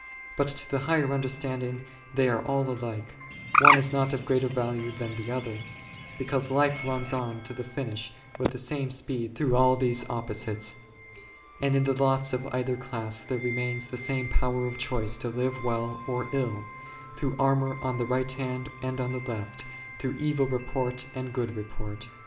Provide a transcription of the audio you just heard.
But to the higher understanding they are all alike ; one is not of greater value than the other ; be cause life runs on to the finish with the same speed through all these opposites, and in the lots of either class there remains the same power of choice to live well or ill, " through armour on the right hand and on the left, through evil report and good report6."